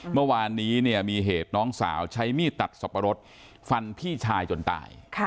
เมื่อวานนี้มีเหตุน้องสาวใช้มีดตัดสับปะรดฟันพี่ชายจนตาย